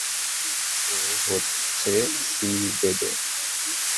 ও হচ্ছে সি-বেবে।